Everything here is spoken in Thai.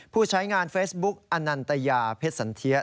ผู้ใช้งานเฟซบุ๊กอนันตยาเพชรสันเทีย